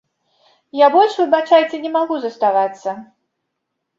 Я больш, выбачайце, не магу заставацца!